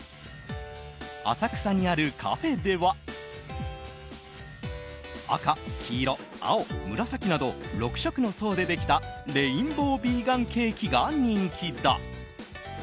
浅草にあるカフェでは赤、黄色、青、紫など６色の層でできたレインボービーガンケーキが人気だ。